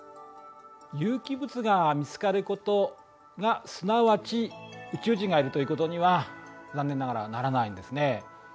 有機物が見つかることがすなわち宇宙人がいるということには残念ながらならないんですね。